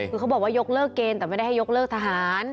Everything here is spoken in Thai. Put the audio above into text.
คือเขาบอกว่ายกเลิกเกณฑ์แต่ไม่ได้ให้ยกเลิกทหาร